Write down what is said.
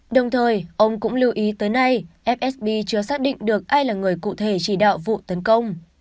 đồng thời ông cũng lưu ý tới nay fsb chưa xác định được ai là người cụ thể chỉ đạo vụ tấn công